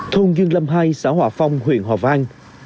thôn dương lâm hai xã hòa phong huyện hòa vang